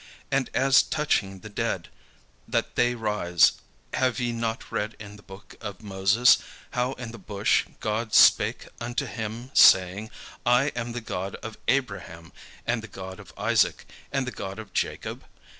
And as touching the dead, that they rise: have ye not read in the book of Moses, how in the bush God spake unto him, saying, 'I am the God of Abraham, and the God of Isaac, and the God of Jacob?'